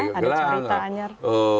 ada cerita anjar